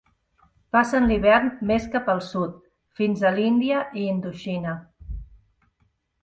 Passen l'hivern més cap al sud, fins a l'Índia i Indoxina.